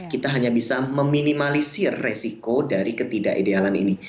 kita hanya bisa meminimalisir resiko dari ketidak idealan ini